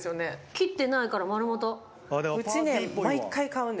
切ってないから丸ごとうちね